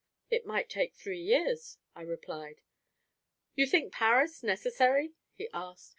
"It might take three years," I replied. "You think Paris necessary?" he asked.